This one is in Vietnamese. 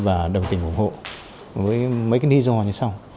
và đồng tình ủng hộ với mấy cái lý do như sau